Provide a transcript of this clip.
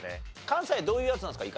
関西どういうやつなんですか？